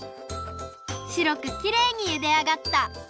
しろくきれいにゆであがった！